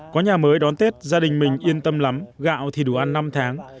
có nhà mới đón tết gia đình mình yên tâm lắm gạo thì đủ ăn năm tháng